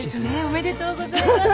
おめでとうございます。